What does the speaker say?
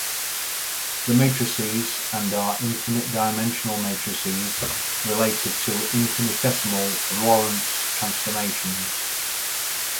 The matrices and are infinite-dimensional matrices, related to infinitesimal Lorentz transformations.